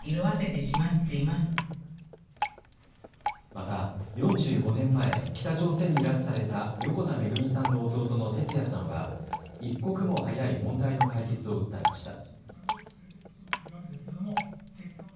また、４５年前、北朝鮮に拉致された横田めぐみさんの弟の哲也さんは一刻も早い問題の解決を訴えました。